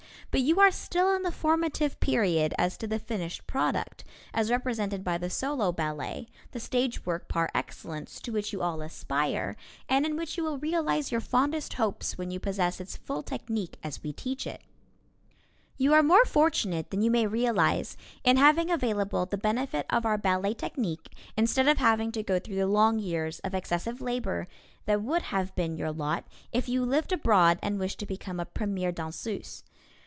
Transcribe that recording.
But you are still in the formative period as to the finished product, as represented by the solo ballet, the stage work par excellence, to which you all aspire, and in which you will realize your fondest hopes when you possess its full technique as we teach it. You are more fortunate than you may realize in having available the benefit of our ballet technique instead of having to go through the long years of excessive labor that would have been your lot if you lived abroad and wished to become a premier danseuse.